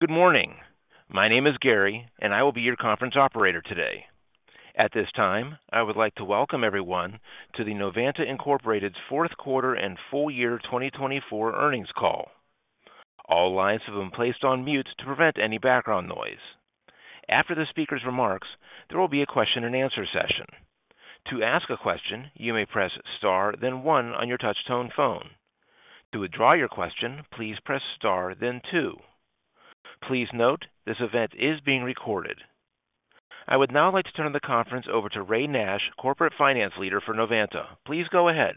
Good morning. My name is Gary, and I will be your conference operator today. At this time, I would like to welcome everyone to the Novanta Incorporated's Fourth Quarter and Full Year 2024 Earnings Call. All lines have been placed on mute to prevent any background noise. After the speaker's remarks, there will be a question-and-answer session. To ask a question, you may press star, then one on your touch-tone phone. To withdraw your question, please press star, then two. Please note this event is being recorded. I would now like to turn the conference over to Ray Nash, Corporate Finance Leader for Novanta. Please go ahead.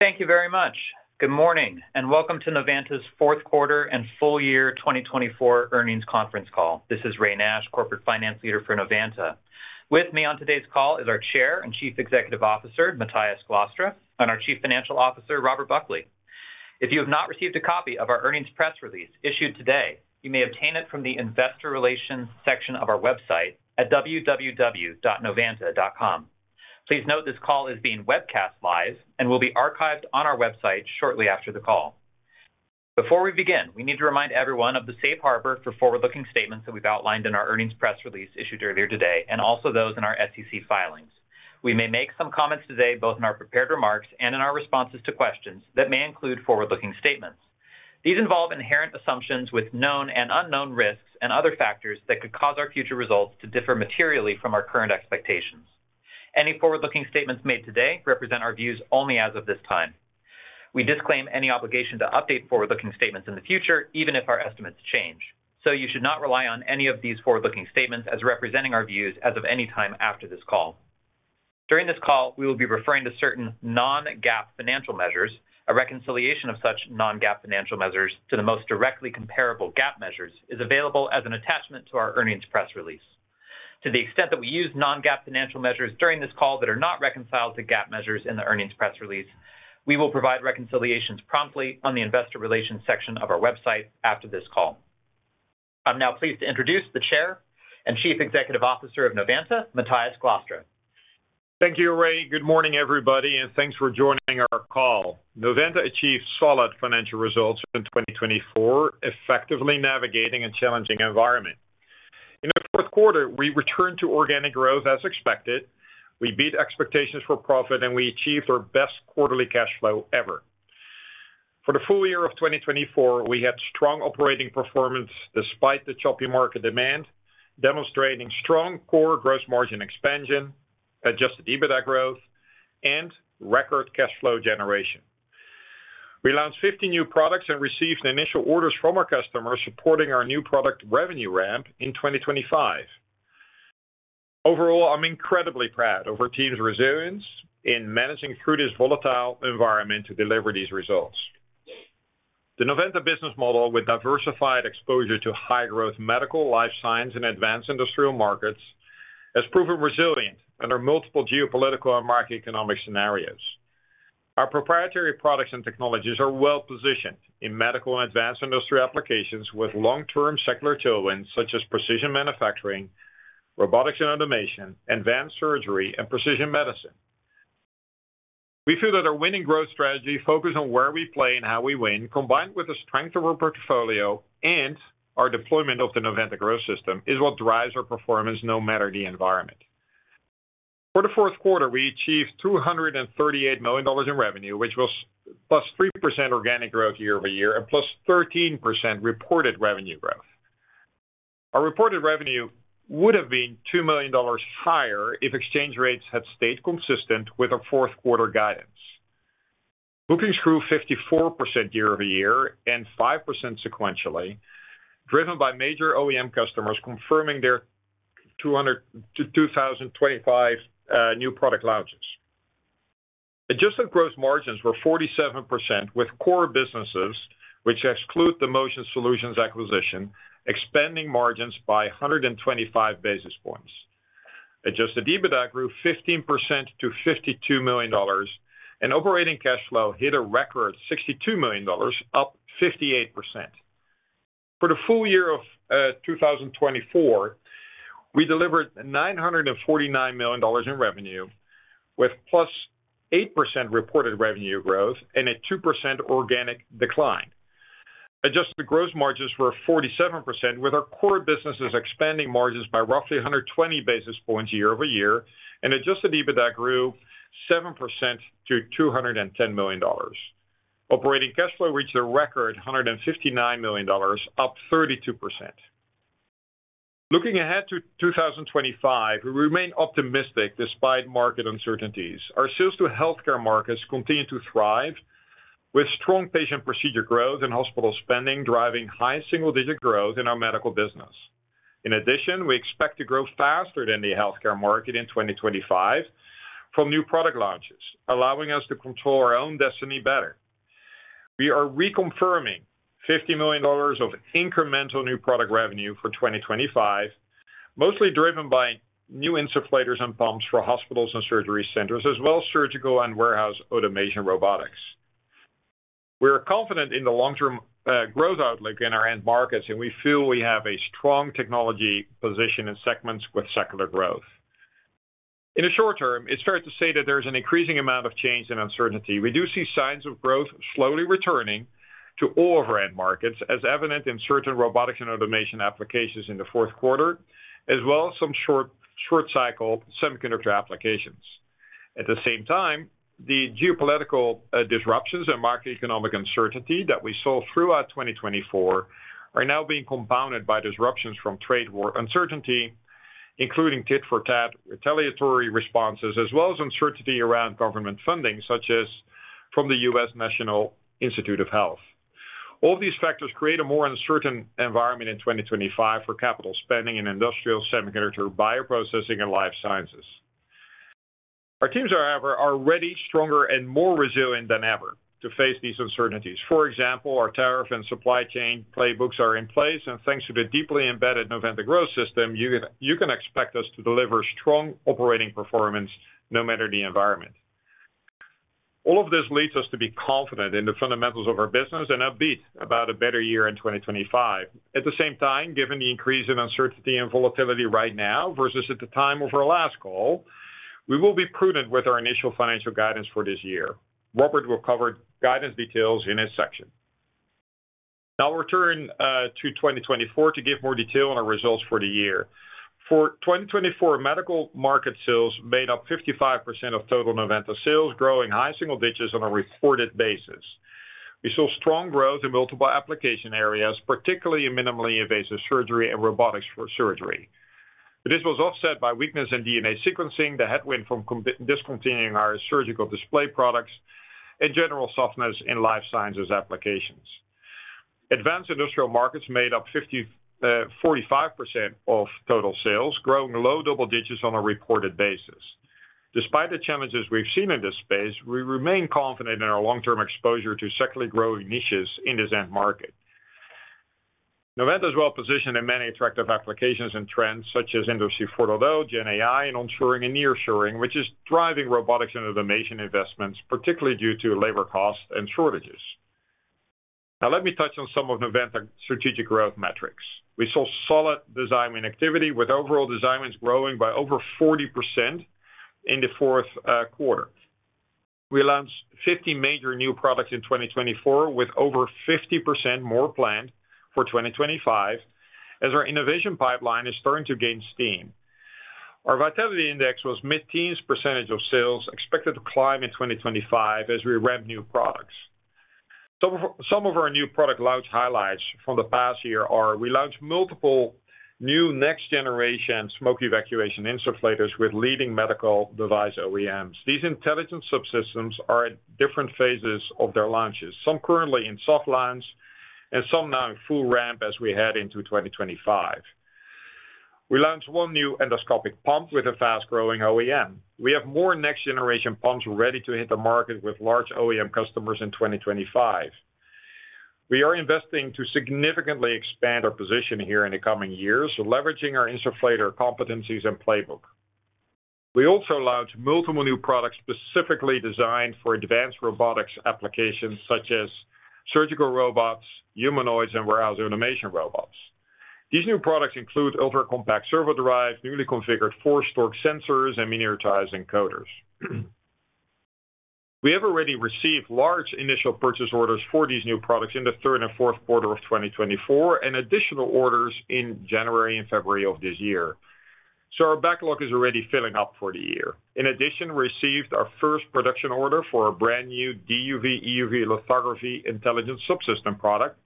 Thank you very much. Good morning and welcome to Novanta's Fourth Quarter and Full Year 2024 Earnings Conference Call. This is Ray Nash, Corporate Finance Leader for Novanta. With me on today's call is our Chair and Chief Executive Officer, Matthijs Glastra, and our Chief Financial Officer, Robert Buckley. If you have not received a copy of our earnings press release issued today, you may obtain it from the Investor Relations section of our website at www.novanta.com. Please note this call is being webcast live and will be archived on our website shortly after the call. Before we begin, we need to remind everyone of the safe harbor for forward-looking statements that we've outlined in our earnings press release issued earlier today and also those in our SEC filings. We may make some comments today, both in our prepared remarks and in our responses to questions, that may include forward-looking statements. These involve inherent assumptions with known and unknown risks and other factors that could cause our future results to differ materially from our current expectations. Any forward-looking statements made today represent our views only as of this time. We disclaim any obligation to update forward-looking statements in the future, even if our estimates change. So you should not rely on any of these forward-looking statements as representing our views as of any time after this call. During this call, we will be referring to certain non-GAAP financial measures. A reconciliation of such non-GAAP financial measures to the most directly comparable GAAP measures is available as an attachment to our earnings press release. To the extent that we use non-GAAP financial measures during this call that are not reconciled to GAAP measures in the earnings press release, we will provide reconciliations promptly on the Investor Relations section of our website after this call. I'm now pleased to introduce the Chair and Chief Executive Officer of Novanta, Matthijs Glastra. Thank you, Ray. Good morning, everybody, and thanks for joining our call. Novanta achieved solid financial results in 2024, effectively navigating a challenging environment. In the fourth quarter, we returned to organic growth as expected. We beat expectations for profit, and we achieved our best quarterly cash flow ever. For the full year of 2024, we had strong operating performance despite the choppy market demand, demonstrating strong core gross margin expansion, Adjusted EBITDA growth, and record cash flow generation. We launched 50 new products and received initial orders from our customers, supporting our new product revenue ramp in 2025. Overall, I'm incredibly proud of our team's resilience in managing through this volatile environment to deliver these results. The Novanta business model, with diversified exposure to high-growth medical, life science, and advanced industrial markets, has proven resilient under multiple geopolitical end market economic scenarios. Our proprietary products and technologies are well positioned in medical and advanced industry applications with long-term secular tailwinds such as Precision Manufacturing, Robotics and Automation, Advanced Surgery, and Precision Medicine. We feel that our winning growth strategy, focused on where we play and how we win, combined with the strength of our portfolio and our deployment of the Novanta Growth System, is what drives our performance no matter the environment. For the fourth quarter, we achieved $238 million in revenue, which was 3% organic growth year over year and 13% reported revenue growth. Our reported revenue would have been $2 million higher if exchange rates had stayed consistent with our fourth quarter guidance. Bookings grew 54% year over year and 5% sequentially, driven by major OEM customers confirming their 2025 new product launches. Adjusted gross margins were 47% with core businesses, which exclude the Motion Solutions acquisition, expanding margins by 125 basis points. Adjusted EBITDA grew 15% to $52 million, and operating cash flow hit a record $62 million, up 58%. For the full year of 2024, we delivered $949 million in revenue, with +8% reported revenue growth and a 2% organic decline. Adjusted gross margins were 47%, with our core businesses expanding margins by roughly 120 basis points year over year, and adjusted EBITDA grew 7% to $210 million. Operating cash flow reached a record $159 million, up 32%. Looking ahead to 2025, we remain optimistic despite market uncertainties. Our sales to healthcare markets continue to thrive, with strong patient procedure growth and hospital spending driving high single-digit growth in our medical business. In addition, we expect to grow faster than the healthcare market in 2025 from new product launches, allowing us to control our own destiny better. We are reconfirming $50 million of incremental new product revenue for 2025, mostly driven by new insufflators and pumps for hospitals and surgery centers, as well as surgical and warehouse automation robots. We are confident in the long-term growth outlook in our end markets, and we feel we have a strong technology position in segments with secular growth. In the short term, it's fair to say that there's an increasing amount of change and uncertainty. We do see signs of growth slowly returning to all of our end markets, as evident in certain Robotics and Automation applications in the fourth quarter, as well as some short-cycle semiconductor applications. At the same time, the geopolitical disruptions end market economic uncertainty that we saw throughout 2024 are now being compounded by disruptions from trade war uncertainty, including tit-for-tat retaliatory responses, as well as uncertainty around government funding, such as from the U.S. National Institutes of Health. All these factors create a more uncertain environment in 2025 for capital spending in industrial, semiconductor, bioprocessing, and life sciences. Our teams, however, are ready, stronger, and more resilient than ever to face these uncertainties. For example, our tariff and supply chain playbooks are in place, and thanks to the deeply embedded Novanta Growth System, you can expect us to deliver strong operating performance no matter the environment. All of this leads us to be confident in the fundamentals of our business and upbeat about a better year in 2025. At the same time, given the increase in uncertainty and volatility right now versus at the time of our last call, we will be prudent with our initial financial guidance for this year. Robert will cover guidance details in his section. Now, I'll return to 2024 to give more detail on our results for the year. For 2024, medical market sales made up 55% of total Novanta sales, growing high single digits on a reported basis. We saw strong growth in multiple application areas, particularly in minimally invasive surgery and robotics for surgery. This was offset by weakness in DNA sequencing, the headwind from discontinuing our surgical display products, and general softness in life sciences applications. Advanced industrial markets made up 45% of total sales, growing low double digits on a reported basis. Despite the challenges we've seen in this space, we remain confident in our long-term exposure to secularly growing niches in this end market. Novanta is well positioned in many attractive applications and trends, such as Industry 4.0, GenAI, and onshoring and nearshoring, which is driving Robotics and Automation investments, particularly due to labor costs and shortages. Now, let me touch on some of Novanta's strategic growth metrics. We saw solid design win activity, with overall design wins growing by over 40% in the fourth quarter. We launched 50 major new products in 2024, with over 50% more planned for 2025, as our innovation pipeline is starting to gain steam. Our Vitality Index was mid-teens % of sales expected to climb in 2025 as we rev new products. Some of our new product launch highlights from the past year are we launched multiple new next-generation smoke evacuation insufflators with leading medical device OEMs. These intelligent subsystems are at different phases of their launches, some currently in soft launch and some now in full ramp as we head into 2025. We launched one new endoscopic pump with a fast-growing OEM. We have more next-generation pumps ready to hit the market with large OEM customers in 2025. We are investing to significantly expand our position here in the coming years, leveraging our insufflator competencies and playbook. We also launched multiple new products specifically designed for advanced robotics applications, such as surgical robots, humanoids, and warehouse automation robots. These new products include ultra-compact servo drives, newly configured force torque sensors, and miniaturized encoders. We have already received large initial purchase orders for these new products in the third and fourth quarter of 2024 and additional orders in January and February of this year. So our backlog is already filling up for the year. In addition, we received our first production order for our brand new DUV/EUV lithography intelligent subsystem product,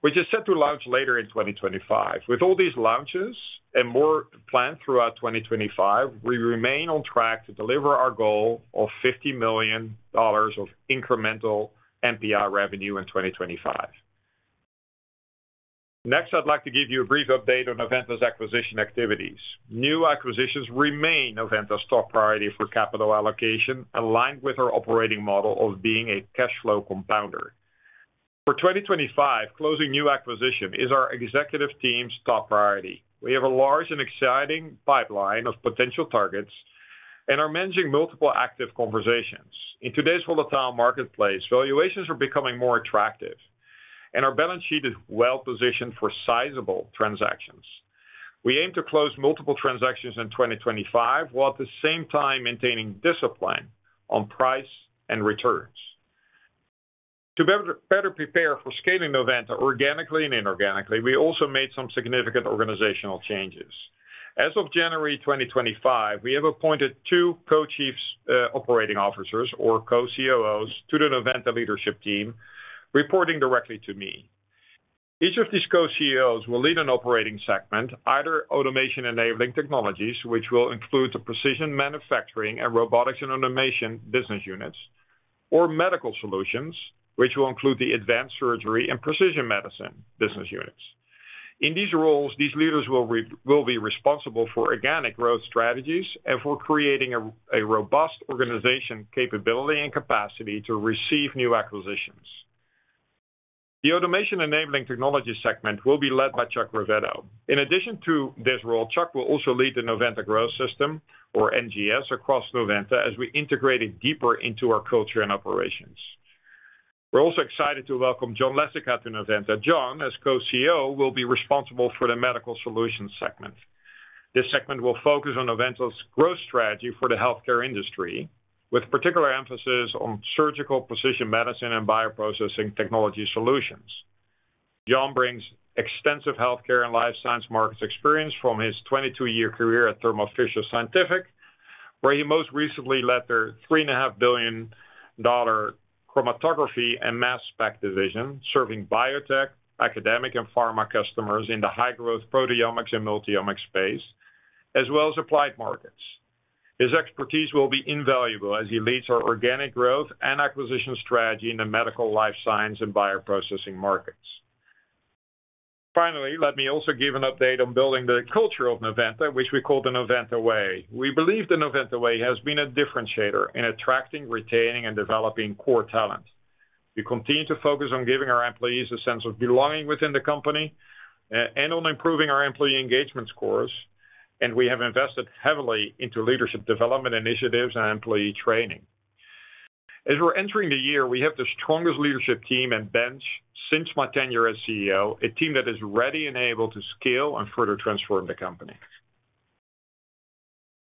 which is set to launch later in 2025. With all these launches and more planned throughout 2025, we remain on track to deliver our goal of $50 million of incremental NPI revenue in 2025. Next, I'd like to give you a brief update on Novanta's acquisition activities. New acquisitions remain Novanta's top priority for capital allocation, aligned with our operating model of being a cash flow compounder. For 2025, closing new acquisition is our executive team's top priority. We have a large and exciting pipeline of potential targets and are managing multiple active conversations. In today's volatile marketplace, valuations are becoming more attractive, and our balance sheet is well positioned for sizable transactions. We aim to close multiple transactions in 2025 while at the same time maintaining discipline on price and returns. To better prepare for scaling Novanta organically and inorganically, we also made some significant organizational changes. As of January 2025, we have appointed two Co-Chief Operating Officers, or Co-COOs, to the Novanta leadership team, reporting directly to me. Each of these Co-COOs will lead an operating segment, either Automation-Enabling Technologies, which will include the Precision Manufacturing and Robotics and Automation business units, Medical Solutions, which will include the Advanced Surgery and Precision Medicine business units. In these roles, these leaders will be responsible for organic growth strategies and for creating a robust organization capability and capacity to receive new acquisitions. The Automation-Enabling Technologies segment will be led by Chuck Rivetto. In addition to this role, Chuck will also lead the Novanta Growth System, or NGS, across Novanta as we integrate it deeper into our culture and operations. We're also excited to welcome John Lesica to Novanta. John, as Co-COO, will be responsible for Medical Solutions segment. This segment will focus on Novanta's growth strategy for the healthcare industry, with particular emphasis on surgical Precision Medicine and bioprocessing technology solutions. John brings extensive healthcare and life science markets experience from his 22-year career at Thermo Fisher Scientific, where he most recently led their $3.5 billion chromatography and mass spec division, serving biotech, academic, and pharma customers in the high-growth proteomics and multiomics space, as well as applied markets. His expertise will be invaluable as he leads our organic growth and acquisition strategy in the medical, life science, and bioprocessing markets. Finally, let me also give an update on building the culture of Novanta, which we call the Novanta Way. We believe the Novanta Way has been a differentiator in attracting, retaining, and developing core talent. We continue to focus on giving our employees a sense of belonging within the company and on improving our employee engagement scores, and we have invested heavily into leadership development initiatives and employee training. As we're entering the year, we have the strongest leadership team and bench since my tenure as CEO, a team that is ready and able to scale and further transform the company.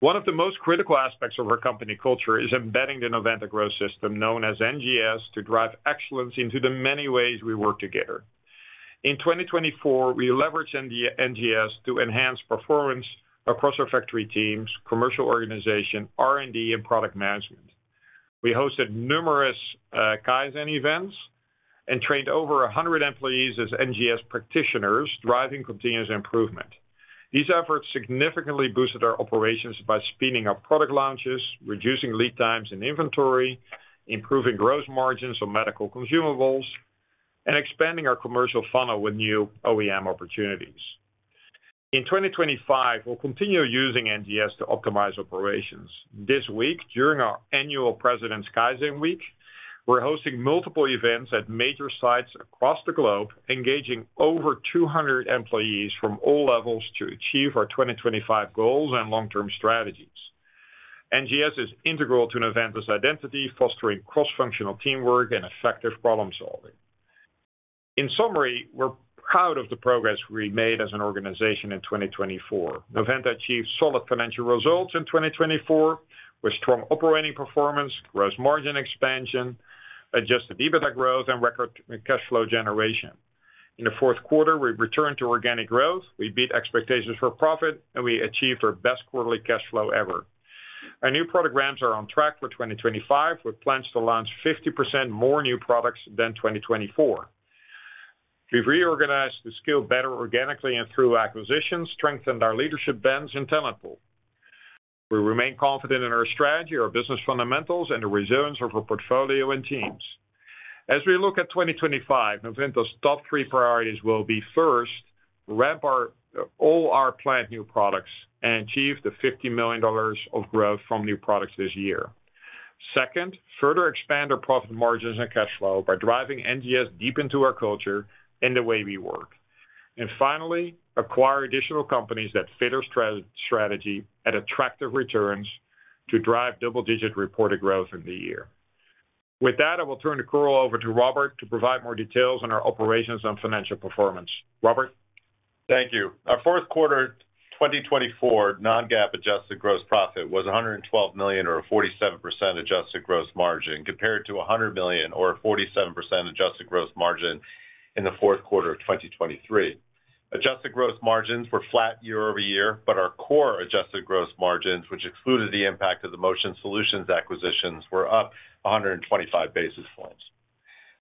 One of the most critical aspects of our company culture is embedding the Novanta Growth System, known as NGS, to drive excellence into the many ways we work together. In 2024, we leveraged NGS to enhance performance across our factory teams, commercial organization, R&D, and product management. We hosted numerous Kaizen events and trained over 100 employees as NGS practitioners, driving continuous improvement. These efforts significantly boosted our operations by speeding up product launches, reducing lead times and inventory, improving gross margins on medical consumables, and expanding our commercial funnel with new OEM opportunities. In 2025, we'll continue using NGS to optimize operations. This week, during our annual President's Kaizen Week, we're hosting multiple events at major sites across the globe, engaging over 200 employees from all levels to achieve our 2025 goals and long-term strategies. NGS is integral to Novanta's identity, fostering cross-functional teamwork and effective problem-solving. In summary, we're proud of the progress we've made as an organization in 2024. Novanta achieved solid financial results in 2024 with strong operating performance, gross margin expansion, adjusted EBITDA growth, and record cash flow generation. In the fourth quarter, we returned to organic growth. We beat expectations for profit, and we achieved our best quarterly cash flow ever. Our new product ramps are on track for 2025, with plans to launch 50% more new products than 2024. We've reorganized to scale better organically and through acquisitions, strengthened our leadership bench, and talent pool. We remain confident in our strategy, our business fundamentals, and the resilience of our portfolio and teams. As we look at 2025, Novanta's top three priorities will be, first, ramp all our planned new products and achieve the $50 million of growth from new products this year. Second, further expand our profit margins and cash flow by driving NGS deep into our culture and the way we work. And finally, acquire additional companies that fit our strategy at attractive returns to drive double-digit reported growth in the year. With that, I will turn the call over to Robert to provide more details on our operations and financial performance. Robert? Thank you. Our fourth quarter 2024 non-GAAP adjusted gross profit was $112 million, or a 47% adjusted gross margin, compared to $100 million, or a 47% adjusted gross margin in the fourth quarter of 2023. Adjusted gross margins were flat year over year, but our core adjusted gross margins, which excluded the impact of the Motion Solutions acquisitions, were up 125 basis points.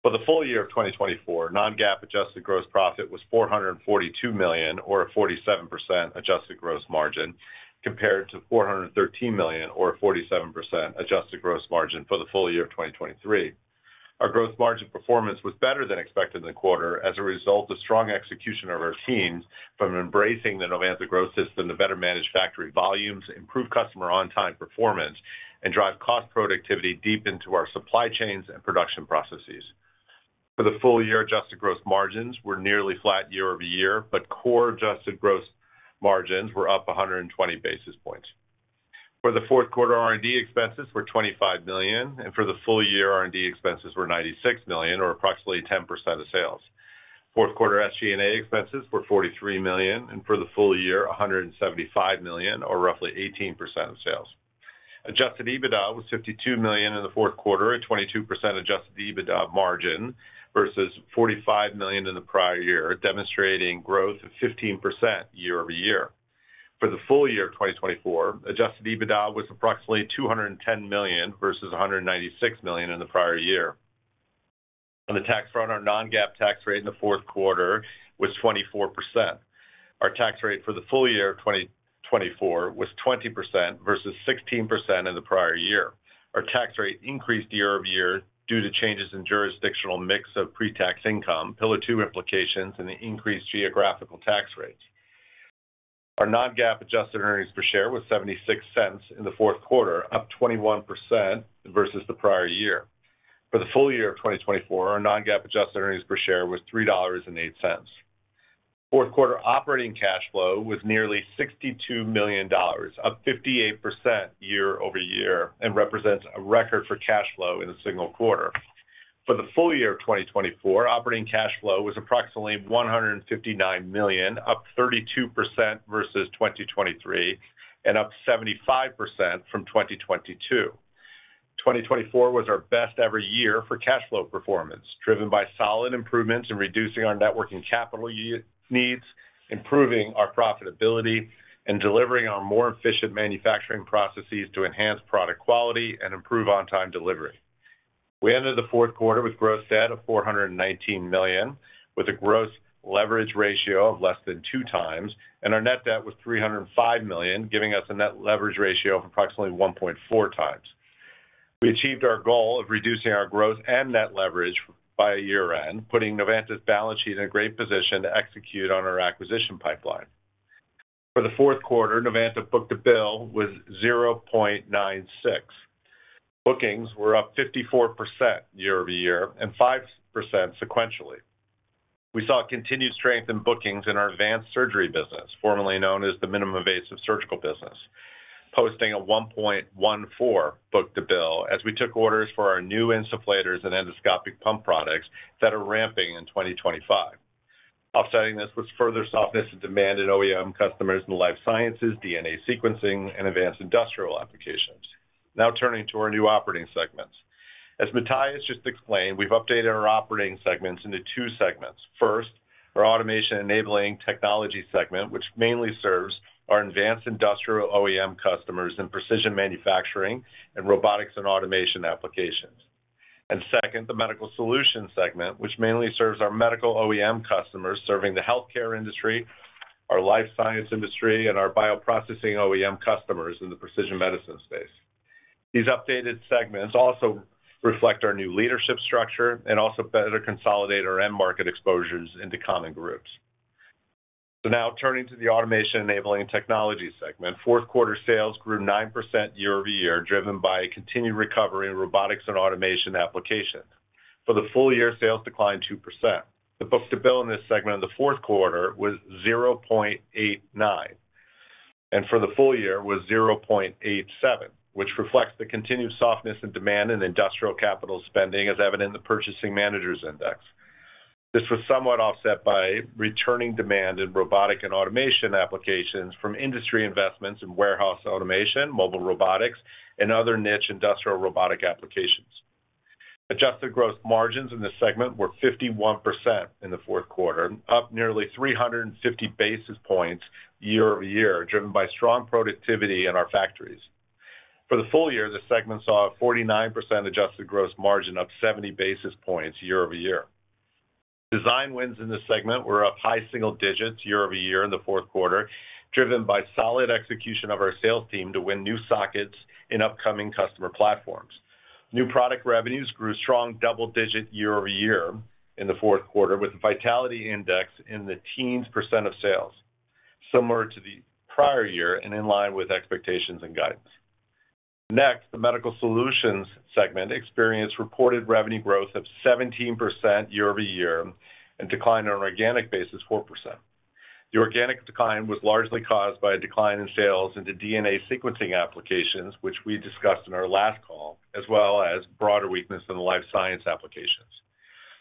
For the full year of 2024, Non-GAAP adjusted gross profit was $442 million, or a 47% adjusted gross margin, compared to $413 million, or a 47% adjusted gross margin for the full year of 2023. Our gross margin performance was better than expected in the quarter as a result of strong execution of our teams from embracing the Novanta Growth System, the better managed factory volumes, improved customer on-time performance, and drive cost productivity deep into our supply chains and production processes. For the full year adjusted gross margins, we're nearly flat year over year, but core adjusted gross margins were up 120 basis points. For the fourth quarter R&D expenses, we're $25 million, and for the full year R&D expenses, we're $96 million, or approximately 10% of sales. Fourth quarter SG&A expenses were $43 million, and for the full year, $175 million, or roughly 18% of sales. Adjusted EBITDA was $52 million in the fourth quarter, a 22% adjusted EBITDA margin versus $45 million in the prior year, demonstrating growth of 15% year over year. For the full year of 2024, adjusted EBITDA was approximately $210 million versus $196 million in the prior year. On the tax front, our non-GAAP tax rate in the fourth quarter was 24%. Our tax rate for the full year of 2024 was 20% versus 16% in the prior year. Our tax rate increased year over year due to changes in jurisdictional mix of pre-tax income, Pillar Two implications, and the increased geographical tax rates. Our Non-GAAP adjusted earnings per share was $0.76 in the fourth quarter, up 21% versus the prior year. For the full year of 2024, our Non-GAAP adjusted earnings per share was $3.08. Fourth quarter operating cash flow was nearly $62 million, up 58% year over year, and represents a record for cash flow in the single quarter. For the full year of 2024, operating cash flow was approximately $159 million, up 32% versus 2023, and up 75% from 2022. 2024 was our best ever year for cash flow performance, driven by solid improvements in reducing our net working capital needs, improving our profitability, and delivering our more efficient manufacturing processes to enhance product quality and improve on-time delivery. We ended the fourth quarter with gross debt of $419 million, with a gross leverage ratio of less than two times, and our net debt was $305 million, giving us a net leverage ratio of approximately 1.4 times. We achieved our goal of reducing our gross and net leverage by year-end, putting Novanta's balance sheet in a great position to execute on our acquisition pipeline. For the fourth quarter, Novanta book-to-bill was $0.96. Bookings were up 54% year over year and 5% sequentially. We saw continued strength inAdvanced Surgery business, formerly known minimally invasive surgery business, posting a 1.14 book-to-bill as we took orders for our new insufflators and endoscopic pump products that are ramping in 2025. Offsetting this was further softness in demand in OEM customers in the life sciences, DNA sequencing, and advanced industrial applications. Now turning to our new operating segments. As Matthijs just explained, we've updated our operating segments into two segments. First, Automation-Enabling Technologies segment, which mainly serves our advanced industrial OEM customers in Precision Manufacturing and Robotics and Automation applications. And second, Medical Solutions segment, which mainly serves our medical OEM customers serving the healthcare industry, our life science industry, and our bioprocessing OEM customers in the Precision Medicine space. These updated segments also reflect our new leadership structure and also better consolidate our end market exposures into common groups. So now turning to Automation-Enabling Technologies segment, fourth quarter sales grew 9% year over year, driven by continued recovery in Robotics and Automation applications. For the full year, sales declined 2%. The book-to-bill in this segment in the fourth quarter was $0.89, and for the full year was $0.87, which reflects the continued softness in demand in industrial capital spending, as evident in the Purchasing Managers' Index. This was somewhat offset by returning demand in robotic and automation applications from industry investments in warehouse automation, mobile robotics, and other niche industrial robotic applications. Adjusted gross margins in this segment were 51% in the fourth quarter, up nearly 350 basis points year over year, driven by strong productivity in our factories. For the full year, this segment saw a 49% adjusted gross margin, up 70 basis points year over year. Design wins in this segment were up high single digits year over year in the fourth quarter, driven by solid execution of our sales team to win new sockets in upcoming customer platforms. New product revenues grew strong double-digit year over year in the fourth quarter, with the Vitality Index in the teens% of sales, similar to the prior year and in line with expectations and guidance. Next, Medical Solutions segment experienced reported revenue growth of 17% year over year and declined on organic basis 4%. The organic decline was largely caused by a decline in sales into DNA sequencing applications, which we discussed in our last call, as well as broader weakness in the life science applications.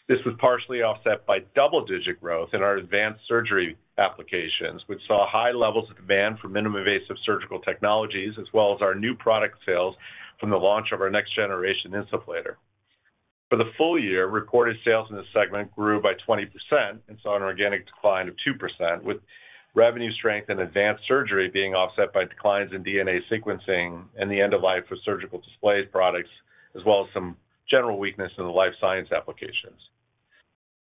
This was partially offset by double-digit growth in our Advanced Surgery applications, which saw high levels of minimally invasive surgical technologies, as well as our new product sales from the launch of our next-generation insufflator. For the full year, reported sales in this segment grew by 20% and saw an organic decline of 2%, with revenue strength in Advanced Surgery being offset by declines in DNA sequencing and the end of life of surgical display products, as well as some general weakness in the life science applications.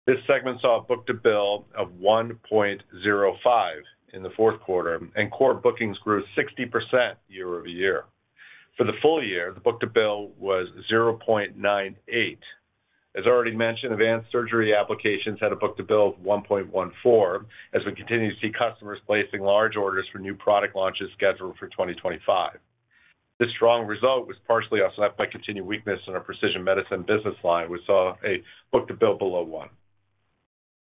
This segment saw a book-to-bill of 1.05 in the fourth quarter, and core bookings grew 60% year over year. For the full year, the book-to-bill was 0.98. As already mentioned, Advanced Surgery applications had a book-to-bill of 1.14, as we continue to see customers placing large orders for new product launches scheduled for 2025. This strong result was partially offset by continued weakness in our Precision Medicine business line, which saw a book-to-bill below 1.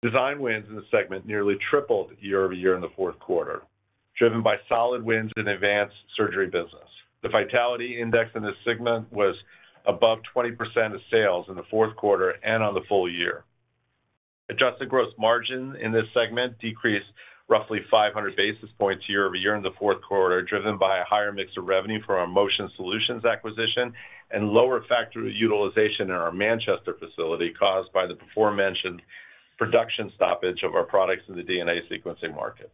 Design wins in this segment nearly tripled year over year in the fourth quarter, driven by Advanced Surgery business. the vitality index in this segment was above 20% of sales in the fourth quarter and on the full year. Adjusted gross margin in this segment decreased roughly 500 basis points year over year in the fourth quarter, driven by a higher mix of revenue from our Motion Solutions acquisition and lower factory utilization in our Manchester facility caused by the before-mentioned production stoppage of our products in the DNA sequencing market.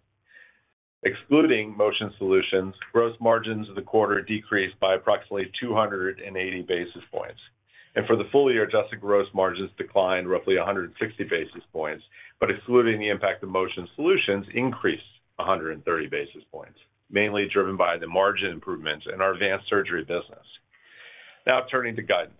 Excluding Motion Solutions, gross margins of the quarter decreased by approximately 280 basis points, and for the full year, adjusted gross margins declined roughly 160 basis points, but excluding the impact of Motion Solutions, increased 130 basis points, mainly driven by the margin Advanced Surgery business. now turning to guidance.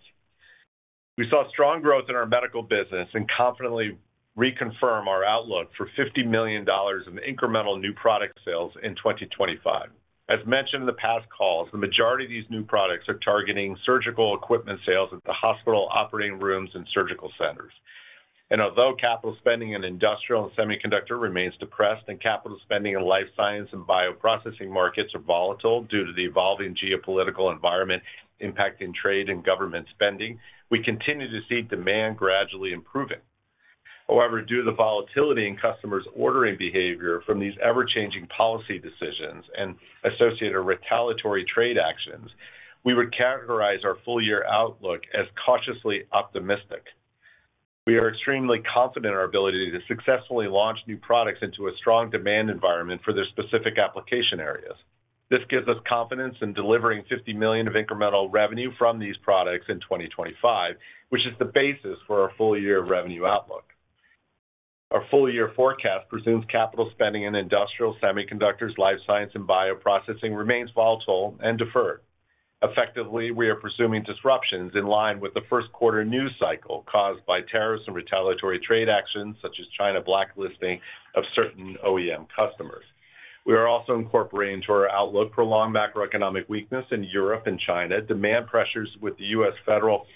We saw strong growth in our medical business and confidently reconfirmed our outlook for $50 million of incremental new product sales in 2025. As mentioned in the past calls, the majority of these new products are targeting surgical equipment sales at the hospital, operating rooms, and surgical centers. And although capital spending in industrial and semiconductor remains depressed and capital spending in life science and bioprocessing markets are volatile due to the evolving geopolitical environment impacting trade and government spending, we continue to see demand gradually improving. However, due to the volatility in customers' ordering behavior from these ever-changing policy decisions and associated retaliatory trade actions, we would categorize our full year outlook as cautiously optimistic. We are extremely confident in our ability to successfully launch new products into a strong demand environment for their specific application areas. This gives us confidence in delivering $50 million of incremental revenue from these products in 2025, which is the basis for our full year revenue outlook. Our full year forecast presumes capital spending in industrial semiconductors, life science, and bioprocessing remains volatile and deferred. Effectively, we are presuming disruptions in line with the first quarter news cycle caused by tariffs and retaliatory trade actions, such as China blacklisting of certain OEM customers. We are also incorporating into our outlook prolonged macroeconomic weakness in Europe and China, demand pressures with the U.S. federal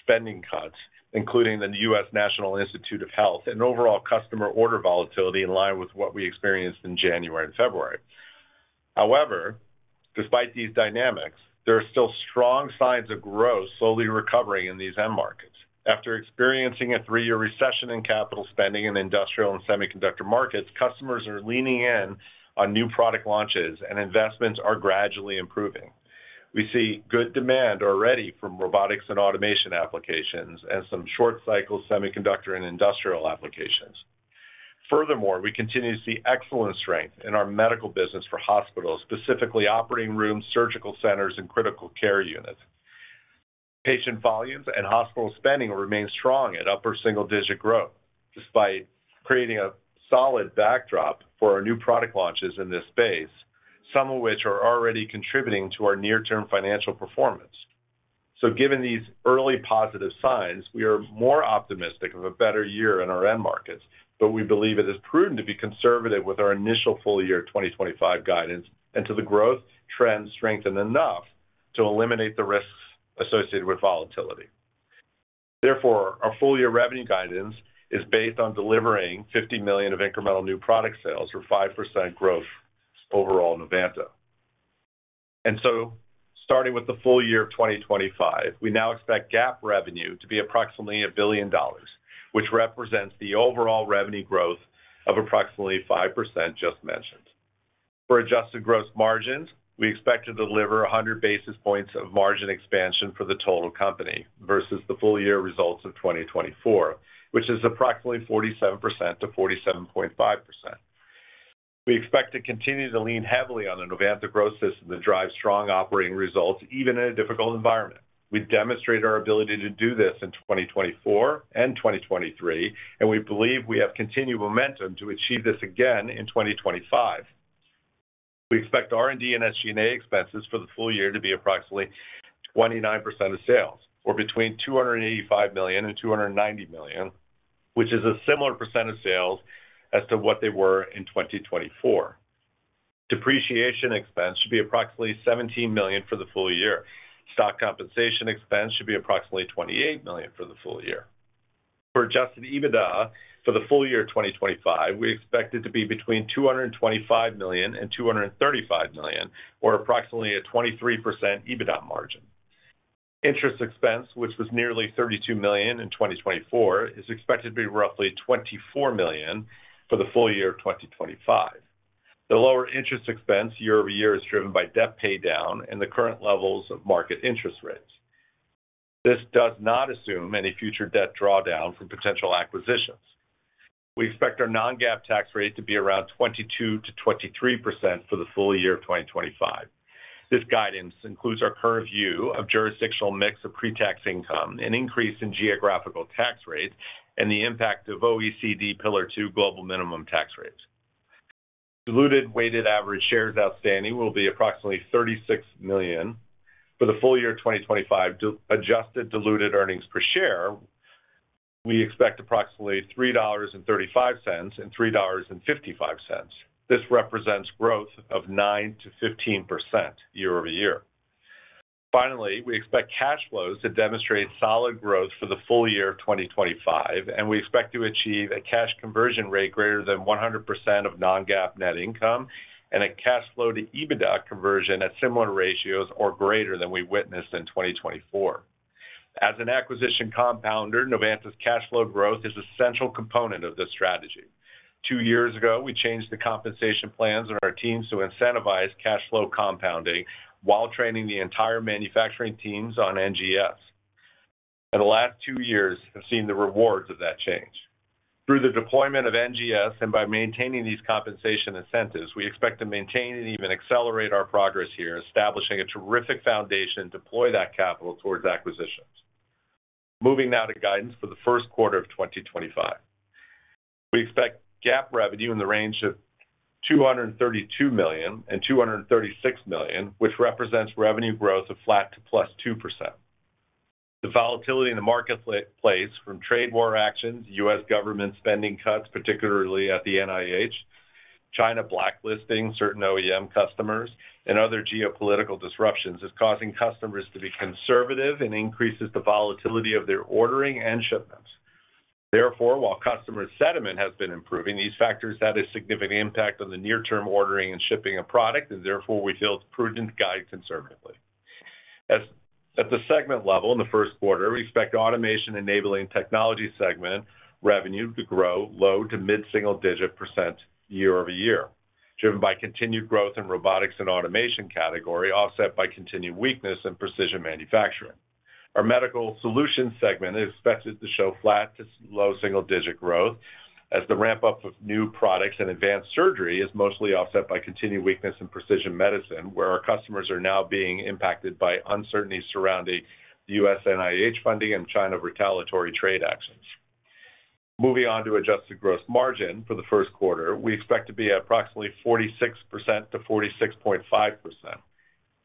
spending cuts, including the U.S. National Institutes of Health, and overall customer order volatility in line with what we experienced in January and February. However, despite these dynamics, there are still strong signs of growth slowly recovering in these end markets. After experiencing a three-year recession in capital spending in industrial and semiconductor markets, customers are leaning in on new product launches, and investments are gradually improving. We see good demand already from Robotics and Automation applications and some short-cycle semiconductor and industrial applications. Furthermore, we continue to see excellent strength in our medical business for hospitals, specifically operating rooms, surgical centers, and critical care units. Patient volumes and hospital spending remain strong at upper single-digit growth, despite creating a solid backdrop for our new product launches in this space, some of which are already contributing to our near-term financial performance. Given these early positive signs, we are more optimistic of a better year in our end markets, but we believe it is prudent to be conservative with our initial full year 2025 guidance and until the growth trends strengthen enough to eliminate the risks associated with volatility. Therefore, our full year revenue guidance is based on delivering $50 million of incremental new product sales or 5% growth overall in Novanta. And so starting with the full year of 2025, we now expect GAAP revenue to be approximately $1 billion, which represents the overall revenue growth of approximately 5% just mentioned. For adjusted gross margins, we expect to deliver 100 basis points of margin expansion for the total company versus the full year results of 2024, which is approximately 47%-47.5%. We expect to continue to lean heavily on the Novanta Growth System to drive strong operating results even in a difficult environment. We demonstrate our ability to do this in 2024 and 2023, and we believe we have continued momentum to achieve this again in 2025. We expect R&D and SG&A expenses for the full year to be approximately 29% of sales, or between $285 million and $290 million, which is a similar % of sales as to what they were in 2024. Depreciation expense should be approximately $17 million for the full year. Stock compensation expense should be approximately $28 million for the full year. For Adjusted EBITDA for the full year 2025, we expect it to be between $225 million and $235 million, or approximately a 23% EBITDA margin. Interest expense, which was nearly $32 million in 2024, is expected to be roughly $24 million for the full year of 2025. The lower interest expense year over year is driven by debt paydown and the current levels of market interest rates. This does not assume any future debt drawdown from potential acquisitions. We expect our non-GAAP tax rate to be around 22%-23% for the full year of 2025. This guidance includes our current view of jurisdictional mix of pre-tax income, an increase in geographical tax rates, and the impact of OECD Pillar 2 global minimum tax rates. Diluted weighted average shares outstanding will be approximately 36 million. For the full year 2025, adjusted diluted earnings per share, we expect approximately $3.35 and $3.55. This represents growth of 9%-15% year over year. Finally, we expect cash flows to demonstrate solid growth for the full year of 2025, and we expect to achieve a cash conversion rate greater than 100% of non-GAAP net income and a cash flow to EBITDA conversion at similar ratios or greater than we witnessed in 2024. As an acquisition compounder, Novanta's cash flow growth is a central component of this strategy. Two years ago, we changed the compensation plans of our teams to incentivize cash flow compounding while training the entire manufacturing teams on NGS. And the last two years have seen the rewards of that change. Through the deployment of NGS and by maintaining these compensation incentives, we expect to maintain and even accelerate our progress here, establishing a terrific foundation to deploy that capital towards acquisitions. Moving now to guidance for the first quarter of 2025. We expect GAAP revenue in the range of $232 million-$236 million, which represents revenue growth of flat to +2%. The volatility in the marketplace from trade war actions, U.S. government spending cuts, particularly at the NIH, China blacklisting certain OEM customers, and other geopolitical disruptions is causing customers to be conservative and increases the volatility of their ordering and shipments. Therefore, while customer sentiment has been improving, these factors had a significant impact on the near-term ordering and shipping of product, and therefore we feel it's prudent to guide conservatively. At the segment level in the first quarter, we Automation-Enabling Technologies segment revenue to grow low- to mid-single-digit% year over year, driven by continued growth in Robotics and Automation category, offset by continued weakness in Precision Manufacturing. Medical Solutions segment is expected to show flat to low single-digit% growth, as the ramp-up of new products and Advanced Surgery is mostly offset by continued weakness in Precision Medicine, where our customers are now being impacted by uncertainty surrounding the U.S. NIH funding and China retaliatory trade actions. Moving on to adjusted gross margin for the first quarter, we expect to be at approximately 46%-46.5%.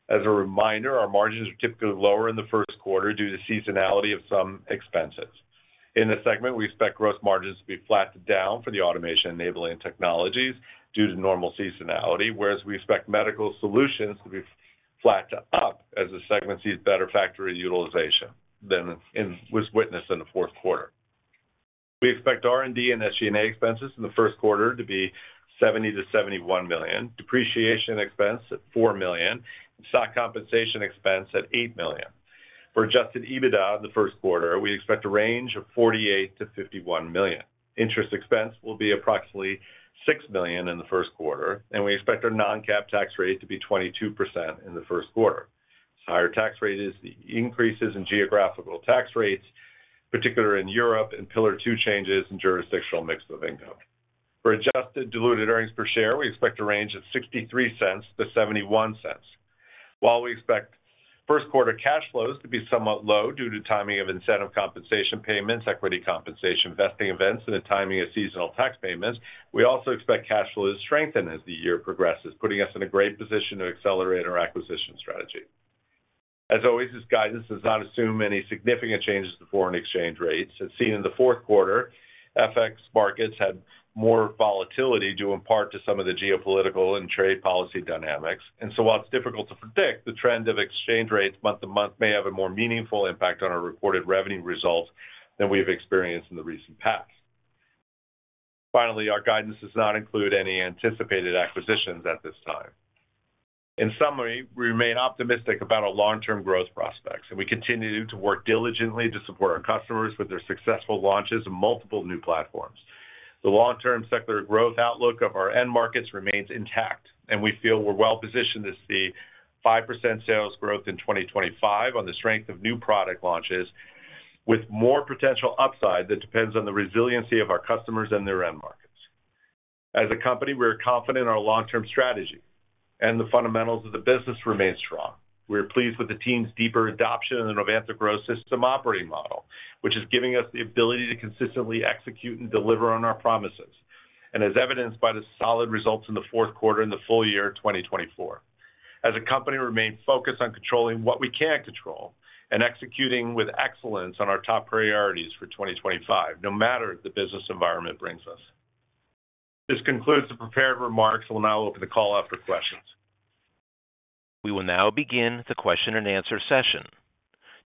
As a reminder, our margins are typically lower in the first quarter due to seasonality of some expenses. In the segment, we expect gross margins to be flat to down for the Automation-Enabling Technologies due to normal seasonality, whereas we Medical Solutions to be flat to up as the segment sees better factory utilization than was witnessed in the fourth quarter. We expect R&D and SG&A expenses in the first quarter to be $70 million-$71 million, depreciation expense at $4 million, and stock compensation expense at $8 million. For Adjusted EBITDA in the first quarter, we expect a range of $48 million-$51 million. Interest expense will be approximately $6 million in the first quarter, and we expect our non-GAAP tax rate to be 22% in the first quarter. Higher tax rate increases in geographical tax rates, particularly in Europe, and Pillar 2 changes in jurisdictional mix of income. For adjusted diluted earnings per share, we expect a range of $0.63-$0.71. While we expect first quarter cash flows to be somewhat low due to timing of incentive compensation payments, equity compensation vesting events, and the timing of seasonal tax payments, we also expect cash flows to strengthen as the year progresses, putting us in a great position to accelerate our acquisition strategy. As always, this guidance does not assume any significant changes to foreign exchange rates. As seen in the fourth quarter, FX markets had more volatility due in part to some of the geopolitical and trade policy dynamics. And so while it's difficult to predict, the trend of exchange rates month to month may have a more meaningful impact on our reported revenue results than we've experienced in the recent past. Finally, our guidance does not include any anticipated acquisitions at this time. In summary, we remain optimistic about our long-term growth prospects, and we continue to work diligently to support our customers with their successful launches of multiple new platforms. The long-term secular growth outlook of our end markets remains intact, and we feel we're well positioned to see 5% sales growth in 2025 on the strength of new product launches, with more potential upside that depends on the resiliency of our customers and their end markets. As a company, we are confident in our long-term strategy, and the fundamentals of the business remain strong. We are pleased with the team's deeper adoption of the Novanta Growth System operating model, which is giving us the ability to consistently execute and deliver on our promises, and as evidenced by the solid results in the fourth quarter and the full year 2024. As a company, we remain focused on controlling what we can't control and executing with excellence on our top priorities for 2025, no matter what the business environment brings us. This concludes the prepared remarks. We'll now open the call after questions. We will now begin the question and answer session.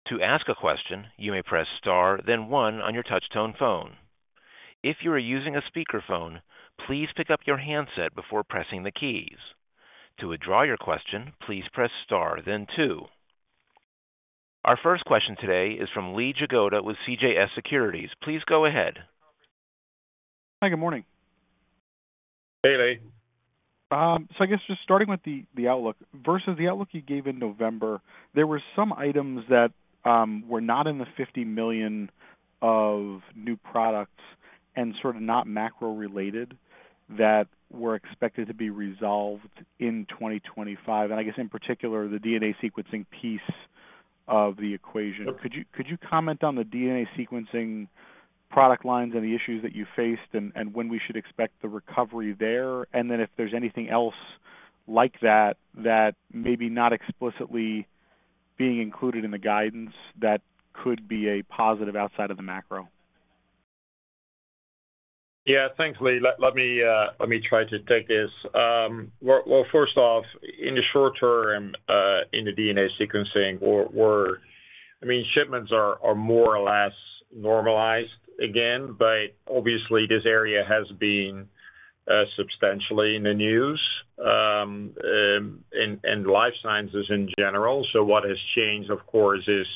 To ask a question, you may press Star, then One on your touchtone phone. If you are using a speakerphone, please pick up your handset before pressing the keys. To withdraw your question, please press Star, then Two. Our first question today is from Lee Jagoda with CJS Securities. Please go ahead. Hi, good morning. Hey, Lee, so I guess just starting with the outlook versus the outlook you gave in November, there were some items that were not in the $50 million of new products and sort of not macro-related that were expected to be resolved in 2025, and I guess in particular, the DNA sequencing piece of the equation. Could you comment on the DNA sequencing product lines and the issues that you faced and when we should expect the recovery there, and then if there's anything else like that that may be not explicitly being included in the guidance that could be a positive outside of the macro? Yeah, thanks, Lee. Let me try to take this. First off, in the short term in the DNA sequencing, I mean, shipments are more or less normalized again, but obviously this area has been substantially in the news and life sciences in general. So what has changed, of course, is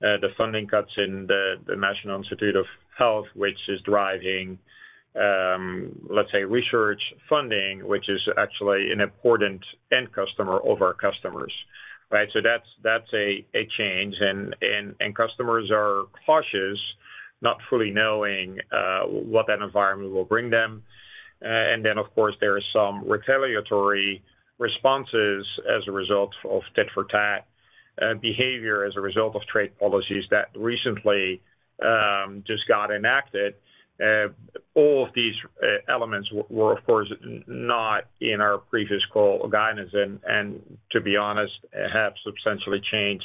the funding cuts in the National Institutes of Health, which is driving, let's say, research funding, which is actually an important end customer of our customers. Right? So that's a change, and customers are cautious, not fully knowing what that environment will bring them. And then, of course, there are some retaliatory responses as a result of tit for tat behavior as a result of trade policies that recently just got enacted. All of these elements were, of course, not in our previous call guidance and, to be honest, have substantially changed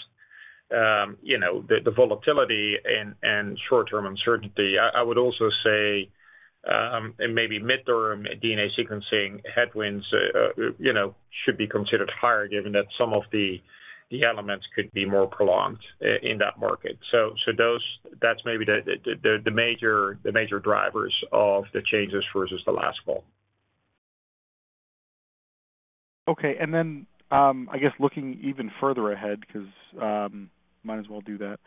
the volatility and short-term uncertainty. I would also say maybe mid-term DNA sequencing headwinds should be considered higher given that some of the elements could be more prolonged in that market. So that's maybe the major drivers of the changes versus the last call. Okay. And then I guess looking even further ahead, because might as well do that,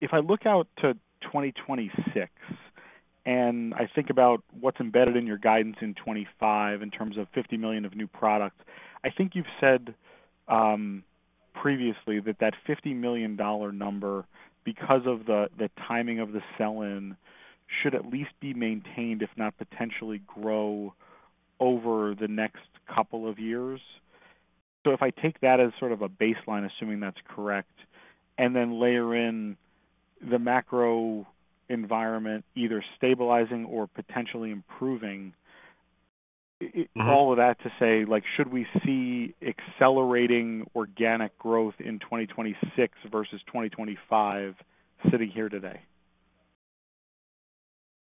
if I look out to 2026 and I think about what's embedded in your guidance in 2025 in terms of $50 million of new products, I think you've said previously that that $50 million number, because of the timing of the sell-in, should at least be maintained, if not potentially grow over the next couple of years. So if I take that as sort of a baseline, assuming that's correct, and then layer in the macro environment either stabilizing or potentially improving, all of that to say, should we see accelerating organic growth in 2026 versus 2025 sitting here today?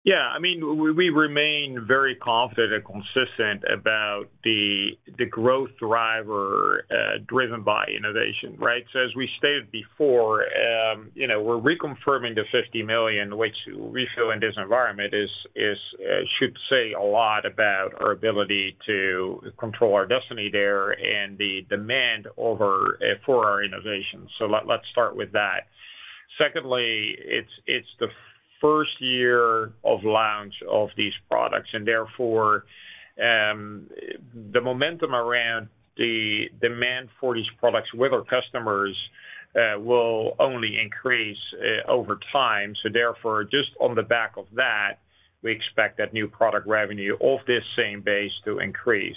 Yeah. I mean, we remain very confident and consistent about the growth driver driven by innovation. Right? So as we stated before, we're reconfirming the $50 million, which we feel in this environment should say a lot about our ability to control our destiny there and the demand for our innovation. So let's start with that. Secondly, it's the first year of launch of these products, and therefore the momentum around the demand for these products with our customers will only increase over time. So therefore, just on the back of that, we expect that new product revenue off this same base to increase.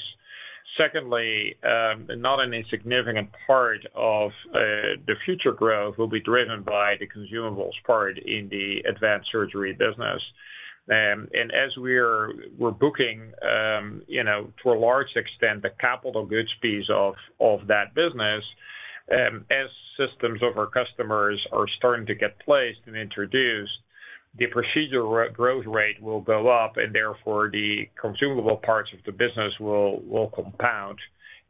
Secondly, not an insignificant part of the future growth will be driven by the consumables Advanced Surgery business, and as we're booking to a large extent the capital goods piece of that business, as systems of our customers are starting to get placed and introduced, the procedure growth rate will go up, and therefore the consumable parts of the business will compound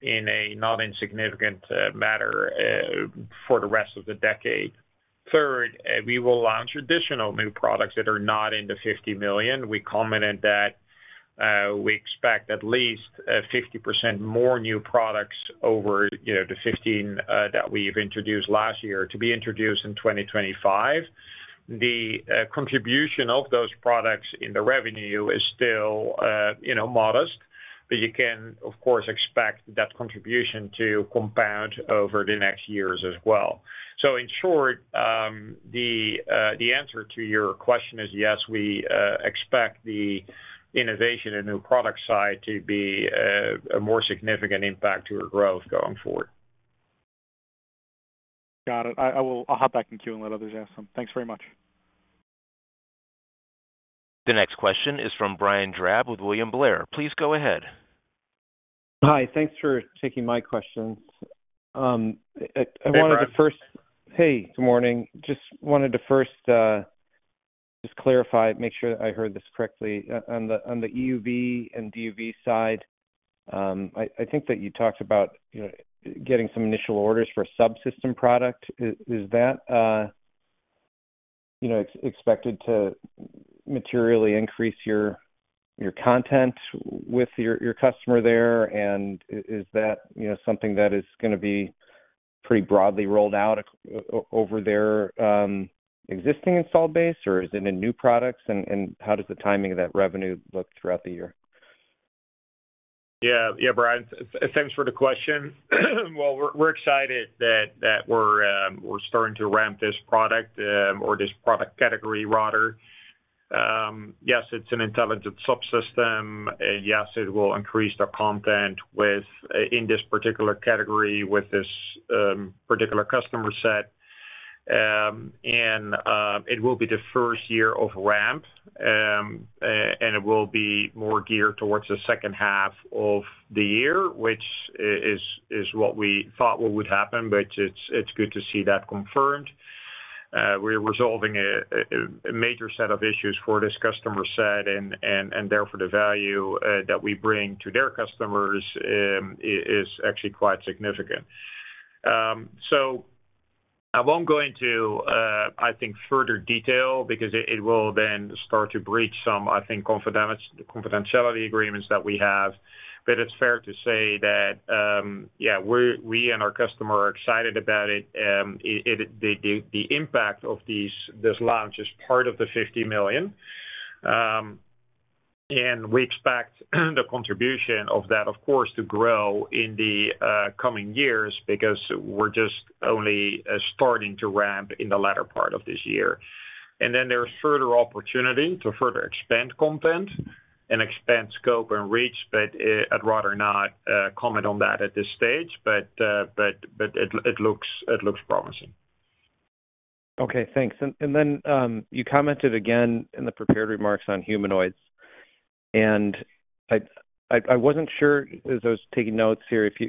in a not insignificant matter for the rest of the decade. Third, we will launch additional new products that are not in the $50 million. We commented that we expect at least 50% more new products over the $15 million that we've introduced last year to be introduced in 2025. The contribution of those products in the revenue is still modest, but you can, of course, expect that contribution to compound over the next years as well. So in short, the answer to your question is yes, we expect the innovation and new product side to be a more significant impact to our growth going forward. Got it. I'll hop back in queue and let others ask some. Thanks very much. The next question is from Brian Drab with William Blair. Please go ahead. Hi. Thanks for taking my questions. Hey. Good morning. Just wanted to clarify, make sure I heard this correctly. On the EUV and DUV side, I think that you talked about getting some initial orders for a subsystem product. Is that expected to materially increase your content with your customer there? And is that something that is going to be pretty broadly rolled out over their existing installed base, or is it in new products? And how does the timing of that revenue look throughout the year? Yeah. Yeah, Brian, thanks for the question. Well, we're excited that we're starting to ramp this product or this product category rather. Yes, it's an intelligent subsystem. Yes, it will increase the content in this particular category with this particular customer set. And it will be the first year of ramp, and it will be more geared towards the second half of the year, which is what we thought would happen, but it's good to see that confirmed. We're resolving a major set of issues for this customer set, and therefore the value that we bring to their customers is actually quite significant. So I won't go into, I think, further detail because it will then start to breach some, I think, confidentiality agreements that we have. But it's fair to say that, yeah, we and our customer are excited about it. The impact of this launch is part of the $50 million. And we expect the contribution of that, of course, to grow in the coming years because we're just only starting to ramp in the latter part of this year. And then there's further opportunity to further expand content and expand scope and reach, but I'd rather not comment on that at this stage. But it looks promising. Okay. Thanks. And then you commented again in the prepared remarks on humanoids. And I wasn't sure as I was taking notes here, if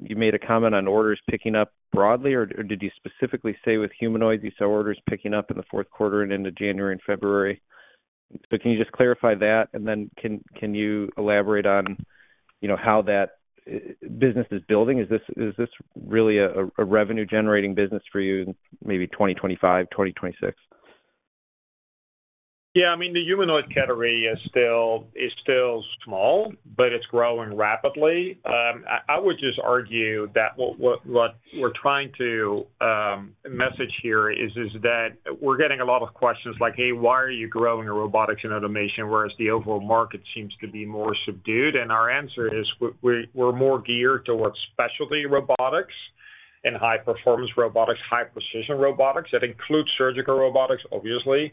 you made a comment on orders picking up broadly, or did you specifically say with humanoids you saw orders picking up in the fourth quarter and into January and February? So can you just clarify that? And then can you elaborate on how that business is building? Is this really a revenue-generating business for you in maybe 2025, 2026? Yeah. I mean, the humanoid category is still small, but it's growing rapidly. I would just argue that what we're trying to message here is that we're getting a lot of questions like, "Hey, why are you growing your Robotics and Automation whereas the overall market seems to be more subdued?" And our answer is we're more geared towards specialty robotics and high-performance robotics, high-precision robotics that include surgical robotics, obviously,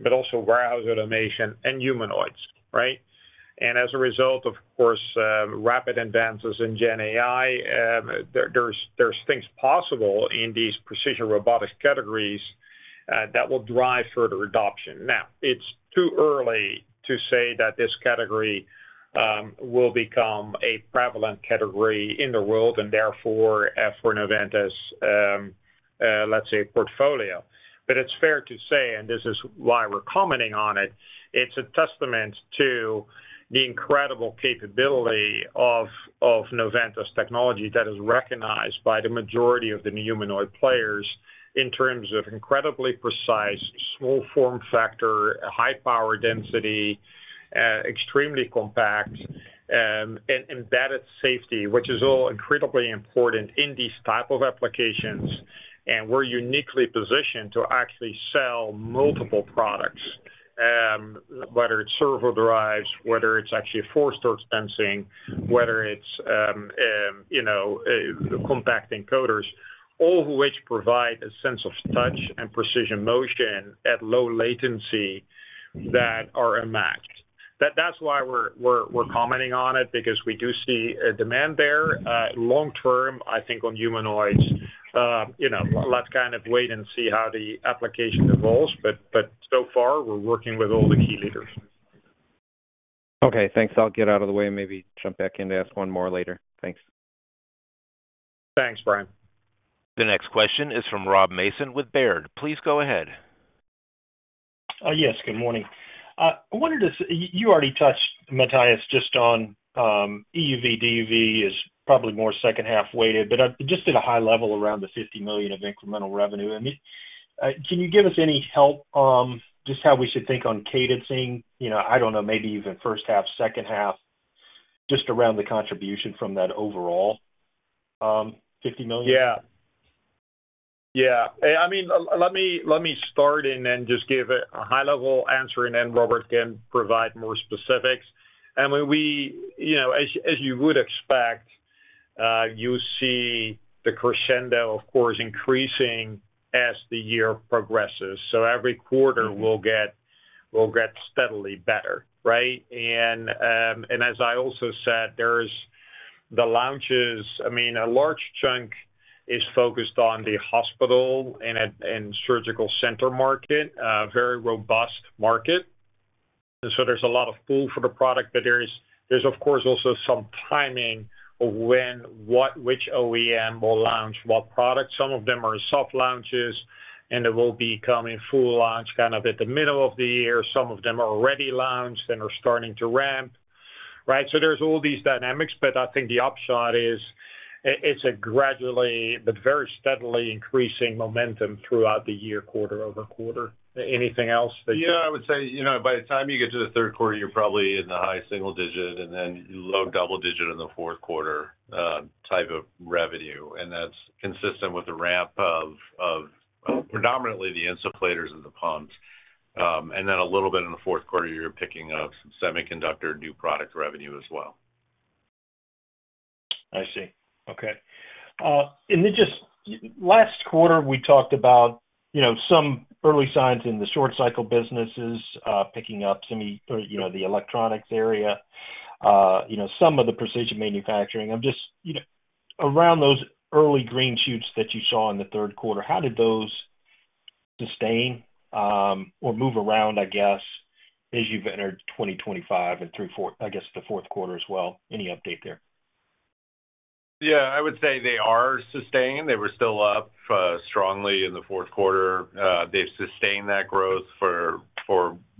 but also warehouse automation and humanoids. Right? And as a result, of course, rapid advances in GenAI, there's things possible in these precision robotics categories that will drive further adoption. Now, it's too early to say that this category will become a prevalent category in the world and therefore for Novanta's, let's say, portfolio. But it's fair to say, and this is why we're commenting on it, it's a testament to the incredible capability of Novanta's technology that is recognized by the majority of the humanoid players in terms of incredibly precise, small form factor, high power density, extremely compact, and embedded safety, which is all incredibly important in these types of applications. And we're uniquely positioned to actually sell multiple products, whether it's servo drives, whether it's actually force/torque sensing, whether it's compact encoders, all of which provide a sense of touch and precision motion at low latency that are unmatched. That's why we're commenting on it, because we do see a demand there long term, I think, on humanoids. Let's kind of wait and see how the application evolves. But so far, we're working with all the key leaders. Okay. Thanks. I'll get out of the way and maybe jump back in to ask one more later. Thanks. Thanks, Brian. The next question is from Rob Mason with Baird. Please go ahead. Yes. Good morning. I wanted to say you already touched, Matthijs, just on EUV. DUV is probably more second-half weighted, but just at a high level around the $50 million of incremental revenue. I mean, can you give us any help just how we should think on cadencing? I don't know, maybe even first half, second half, just around the contribution from that overall $50 million? Yeah. Yeah. I mean, let me start and then just give a high-level answer, and then Robert can provide more specifics. I mean, as you would expect, you see the crescendo, of course, increasing as the year progresses. So every quarter will get steadily better. Right? As I also said, the launches, I mean, a large chunk is focused on the hospital and surgical center market, a very robust market. So there's a lot of pull for the product, but there's, of course, also some timing of when which OEM will launch what product. Some of them are soft launches, and they will become a full launch kind of at the middle of the year. Some of them are already launched and are starting to ramp. Right? So there's all these dynamics, but I think the upshot is it's a gradually but very steadily increasing momentum throughout the year, quarter over quarter. Anything else that you? Yeah. I would say by the time you get to the third quarter, you're probably in the high single digit and then low double digit in the fourth quarter type of revenue. And that's consistent with the ramp of predominantly the insufflators and the pumps. And then a little bit in the fourth quarter, you're picking up some semiconductor new product revenue as well. I see. Okay. And then just last quarter, we talked about some early signs in the short cycle businesses picking up some of the electronics area, some of the precision manufacturing. Just around those early green shoots that you saw in the third quarter, how did those sustain or move around, I guess, as you've entered 2025 and through, I guess, the fourth quarter as well? Any update there? Yeah. I would say they are sustained. They were still up strongly in the fourth quarter. They've sustained that growth for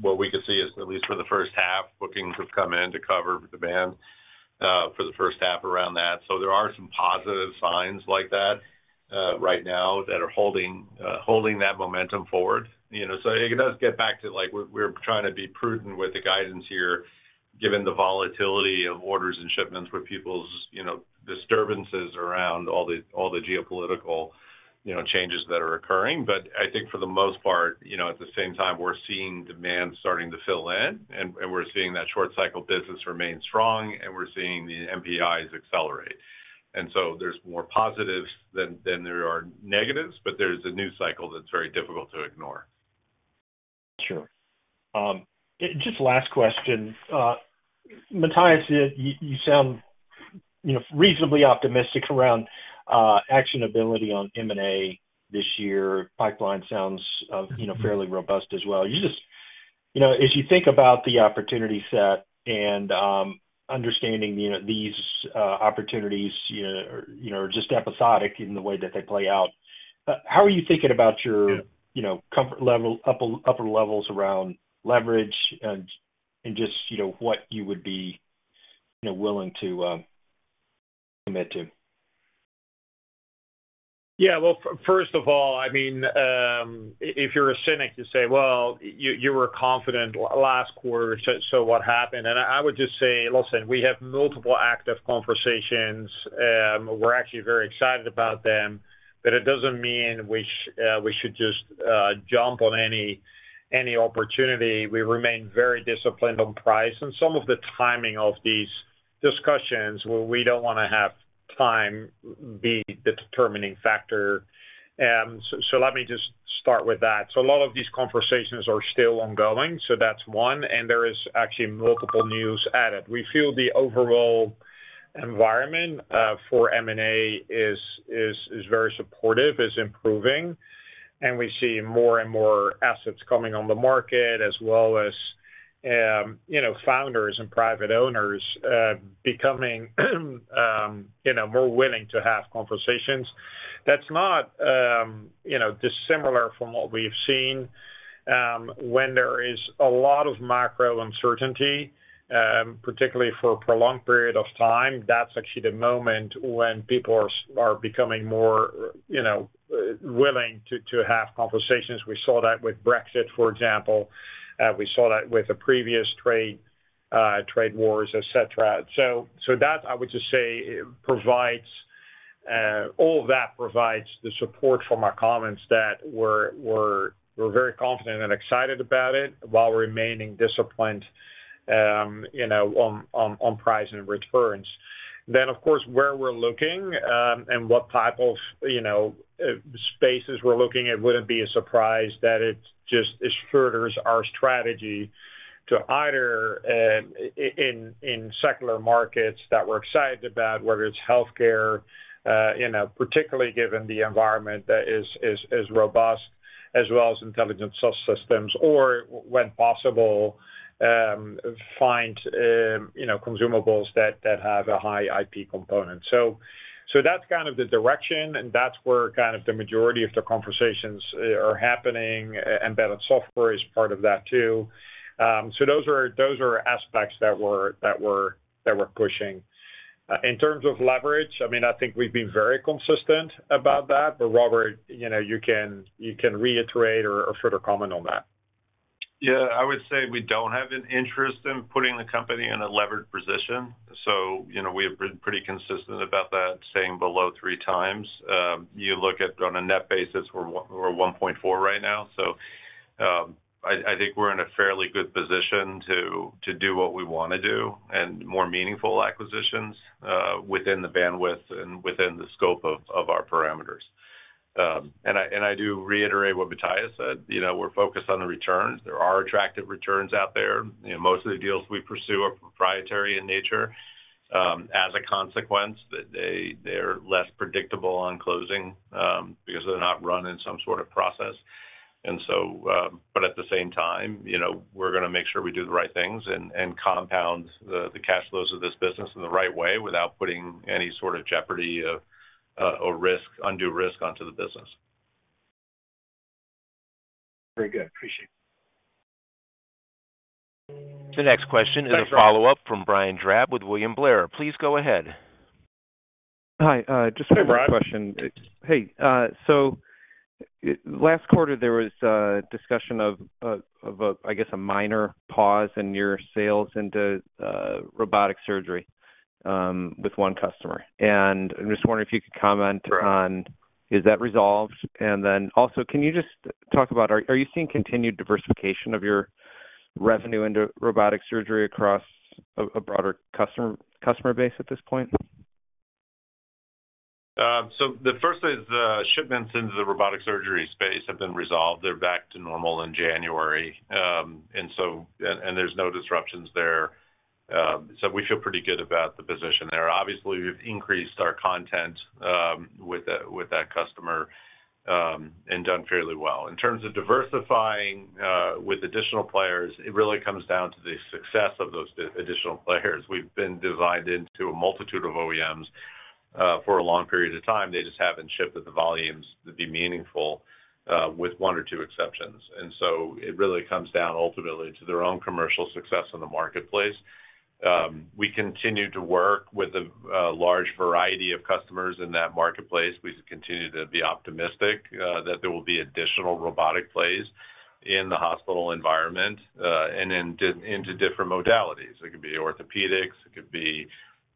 what we could see is at least for the first half, bookings have come in to cover demand for the first half around that. So there are some positive signs like that right now that are holding that momentum forward. So it does get back to we're trying to be prudent with the guidance here given the volatility of orders and shipments with people's disturbances around all the geopolitical changes that are occurring. But I think for the most part, at the same time, we're seeing demand starting to fill in, and we're seeing that short cycle business remain strong, and we're seeing the NPIs accelerate. And so there's more positives than there are negatives, but there's a new cycle that's very difficult to ignore. Sure. Just last question. Matthijs, you sound reasonably optimistic around actionability on M&A this year. Pipeline sounds fairly robust as well. As you think about the opportunity set and understanding these opportunities are just episodic in the way that they play out, how are you thinking about your comfort level, upper levels around leverage, and just what you would be willing to commit to? Yeah. Well, first of all, I mean, if you're a cynic, you say, "Well, you were confident last quarter, so what happened?" And I would just say, listen, we have multiple active conversations. We're actually very excited about them, but it doesn't mean we should just jump on any opportunity. We remain very disciplined on price and some of the timing of these discussions. We don't want to have time be the determining factor. So let me just start with that. So a lot of these conversations are still ongoing. So that's one. And there is actually multiple news added. We feel the overall environment for M&A is very supportive, is improving. And we see more and more assets coming on the market as well as founders and private owners becoming more willing to have conversations. That's not dissimilar from what we've seen. When there is a lot of macro uncertainty, particularly for a prolonged period of time, that's actually the moment when people are becoming more willing to have conversations. We saw that with Brexit, for example. We saw that with the previous trade wars, etc. So that, I would just say, all of that provides the support from our comments that we're very confident and excited about it while remaining disciplined on price and returns. Then, of course, where we're looking and what type of spaces we're looking, it wouldn't be a surprise that it just furthers our strategy to either in secular markets that we're excited about, whether it's healthcare, particularly given the environment that is robust, as well as intelligent subsystems, or when possible, find consumables that have a high IP component. So that's kind of the direction, and that's where kind of the majority of the conversations are happening. Embedded software is part of that too. So those are aspects that we're pushing. In terms of leverage, I mean, I think we've been very consistent about that. But Robert, you can reiterate or further comment on that. Yeah. I would say we don't have an interest in putting the company in a levered position. So we have been pretty consistent about that, saying below three times. You look at on a net basis, we're 1.4 right now. So I think we're in a fairly good position to do what we want to do and more meaningful acquisitions within the bandwidth and within the scope of our parameters. And I do reiterate what Matthijs said. We're focused on the returns. There are attractive returns out there. Most of the deals we pursue are proprietary in nature. As a consequence, they're less predictable on closing because they're not run in some sort of process. And so, but at the same time, we're going to make sure we do the right things and compound the cash flows of this business in the right way without putting any sort of jeopardy or undue risk onto the business. Very good. Appreciate it. The next question is a follow-up from Brian Drab with William Blair. Please go ahead. Hi. Just a quick question. Hey. So last quarter, there was discussion of, I guess, a minor pause in your sales into robotic surgery with one customer. And I'm just wondering if you could comment on, is that resolved? And then also, can you just talk about, are you seeing continued diversification of your revenue into robotic surgery across a broader customer base at this point? So the first is shipments into the robotic surgery space have been resolved. They're back to normal in January. And there's no disruptions there. So we feel pretty good about the position there. Obviously, we've increased our content with that customer and done fairly well. In terms of diversifying with additional players, it really comes down to the success of those additional players. We've been designed into a multitude of OEMs for a long period of time. They just haven't shipped at the volumes that'd be meaningful with one or two exceptions. And so it really comes down ultimately to their own commercial success in the marketplace. We continue to work with a large variety of customers in that marketplace. We continue to be optimistic that there will be additional robotic plays in the hospital environment and into different modalities. It could be orthopedics. It could be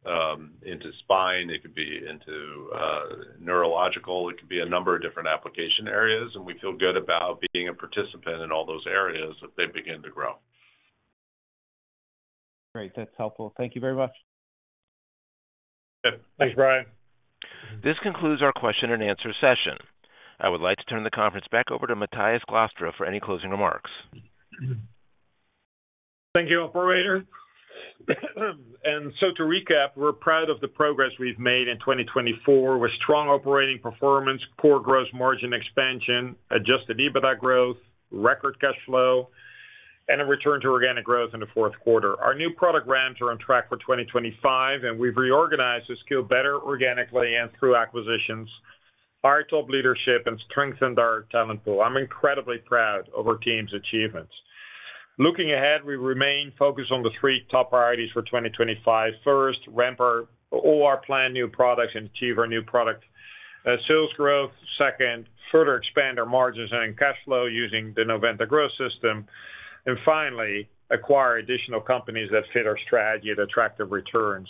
into spine. It could be into neurological. It could be a number of different application areas. And we feel good about being a participant in all those areas as they begin to grow. Great. That's helpful. Thank you very much. Thanks, Brian. This concludes our question and answer session. I would like to turn the conference back over to Matthijs Glastra for any closing remarks. Thank you, Operator. And so to recap, we're proud of the progress we've made in 2024 with strong operating performance, our gross margin expansion, adjusted EBITDA growth, record cash flow, and a return to organic growth in the fourth quarter. Our new product brands are on track for 2025, and we've reorganized to scale better organically and through acquisitions, hire top leadership, and strengthened our talent pool. I'm incredibly proud of our team's achievements. Looking ahead, we remain focused on the three top priorities for 2025. First, ramp our OR plan, new products, and achieve our new product sales growth. Second, further expand our margins and cash flow using the Novanta Growth System. And finally, acquire additional companies that fit our strategy at attractive returns.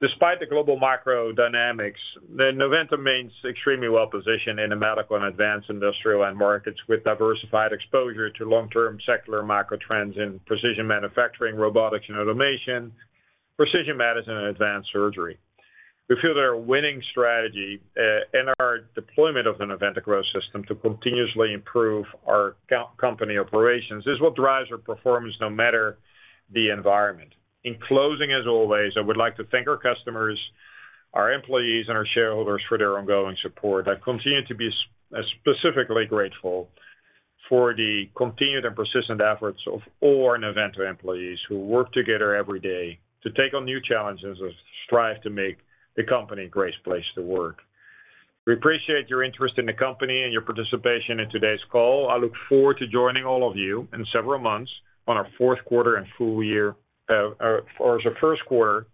Despite the global macro dynamics, Novanta remains extremely well-positioned in the Medical and Advanced Industrial end markets with diversified exposure to long-term secular macro trends in Precision Manufacturing, Robotics and Automation, Precision Medicine, and Advanced Surgery. We feel that our winning strategy and our deployment of the Novanta Growth System to continuously improve our company operations is what drives our performance no matter the environment. In closing, as always, I would like to thank our customers, our employees, and our shareholders for their ongoing support. I continue to be specifically grateful for the continued and persistent efforts of all our Novanta employees who work together every day to take on new challenges and strive to make the company a great place to work. We appreciate your interest in the company and your participation in today's call. I look forward to joining all of you in several months on our fourth quarter and full year or the first quarter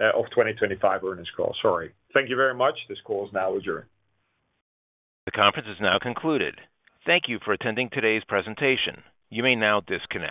of 2025 earnings call. Sorry. Thank you very much. This call is now adjourned. The conference is now concluded. Thank you for attending today's presentation. You may now disconnect.